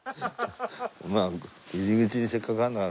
まあ入り口にせっかくあるんだから。